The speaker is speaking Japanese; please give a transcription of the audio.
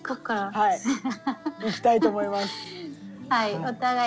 はい。